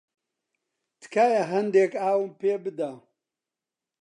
تکایە هەندێک ئاوم پێ بدە.